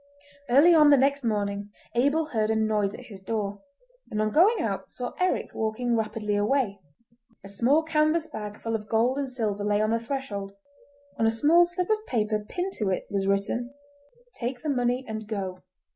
Early on the next morning Abel heard a noise at his door, and on going out saw Eric walking rapidly away: a small canvas bag full of gold and silver lay on the threshold; on a small slip of paper pinned to it was written: "Take the money and go.